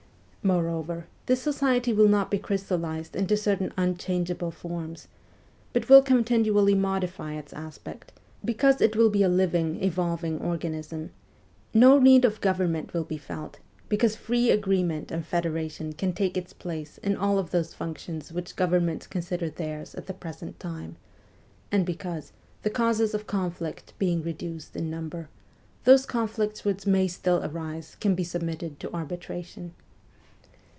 Moreover, this society will not be crystallized into certain unchangeable forms, but will continually modify its aspect, because it will be a living, evolving organism ; no need of government will be felt, because free agree ment and federation can take its place in all those WESTERN EUROPE 207 functions which governments consider as theirs at the present time, and because, the causes of conflict being reduced in number, those conflicts which may still arise can be submitted to arbitration.